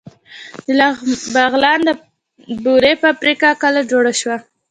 د بغلان د بورې فابریکه کله جوړه شوه؟